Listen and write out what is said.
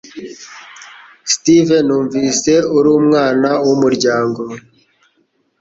Steve, numvise uri umwana wumuryango.